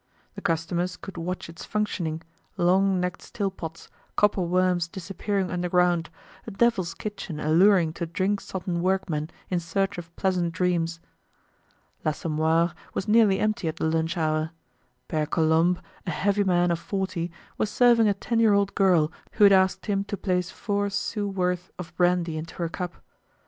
The customers could watch its functioning, long necked still pots, copper worms disappearing underground, a devil's kitchen alluring to drink sodden work men in search of pleasant dreams. L'Assommoir was nearly empty at the lunch hour. Pere Colombe, a heavy man of forty, was serving a ten year old girl who had asked him to place four sous' worth of brandy into her cup.